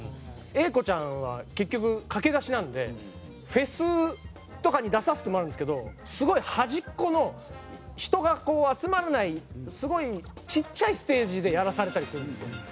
英子ちゃんは結局駆け出しなのでフェスとかに出させてもらうんですけどすごい端っこの人がこう集まらないすごいちっちゃいステージでやらされたりするんですよ。